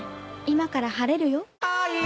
今から晴れるよ。